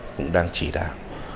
cũng đang chỉ đạo